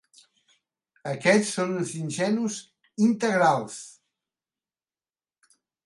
Aquests són uns ingenus integrals.